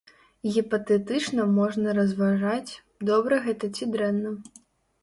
Гіпатэтычна можна разважаць, добра гэта ці дрэнна.